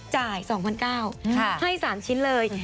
จ่าย๒๙๐๐ให้๓ชิ้นเลย